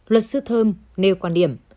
luật sư thơm nêu quan điểm